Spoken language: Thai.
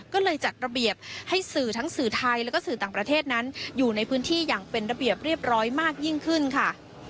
ก็เลยจัดระเบียบให้สื่อทั้งสื่อไทยแล้วก็สื่อต่างประเทศนั้นอยู่ในพื้นที่อย่างเป็นระเบียบเรียบร้อยมากยิ่งขึ้นค่ะ